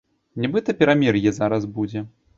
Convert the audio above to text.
Нібыта перамір'е зараз будзе.